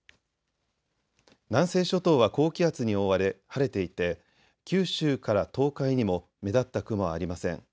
南西諸島は高気圧に覆われ晴れていて九州から東海にも目立った雲はありません。